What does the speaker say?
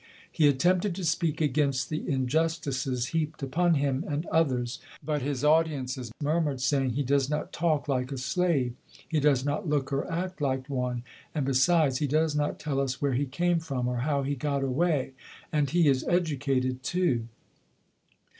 He attempted to speak against the injustices heaped upon him and others, but his audiences murmured, saying, "He does not talk like a slave. He does not look or act like one ; and, besides he does not tell us where he came from or how he got away; and he is educated, too".